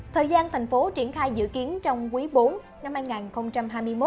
thời gian thành phố triển khai dự kiến trong quý bốn năm hai nghìn hai mươi một